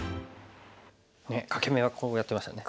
欠け眼はこうやってましたね。